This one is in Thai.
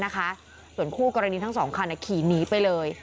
ส่วนคู่กรณีทั้งสองคันขี่หนีไปเลย